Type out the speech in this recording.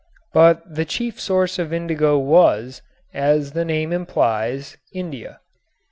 But the chief source of indigo was, as its name implies, India.